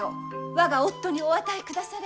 我が夫にお与えくだされ！